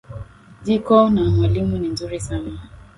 Jiko na mwalimu ni nzuri sana